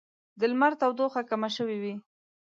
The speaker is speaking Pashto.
د لمر تودوخه کمه شوې وي